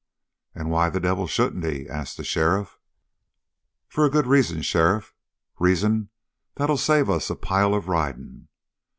"And why the devil shouldn't he?" asked the sheriff. "For a good reason, sheriff, reason that'll save us a pile of riding.